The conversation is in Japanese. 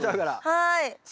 はい。